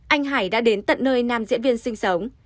anh hải đã đến tận nơi nam diễn viên sinh sống